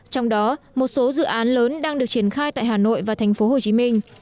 trong đó một số dự án lớn đang được triển khai tại hà nội và thành phố hồ chí minh